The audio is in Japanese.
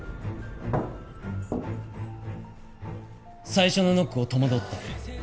最初のノックを戸惑った。